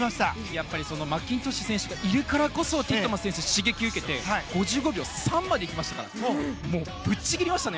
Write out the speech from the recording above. やっぱりマッキントッシュ選手がいるからこそティットマス選手、刺激を受けて５５秒３まで行きましたからもうぶっちぎりましたね。